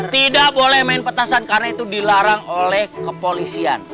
tidak boleh main petasan karena itu dilarang oleh kepolisian